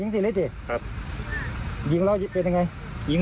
ถัดกันช่วยประตูการณ์หนิ